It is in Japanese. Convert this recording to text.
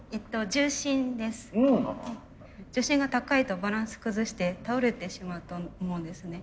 重心が高いとバランス崩して倒れてしまうと思うんですね。